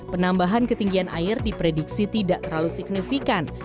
penambahan ketinggian air diprediksi tidak terlalu signifikan